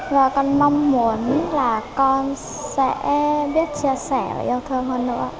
và con mong muốn là con sẽ biết chia sẻ và yêu thương hơn nữa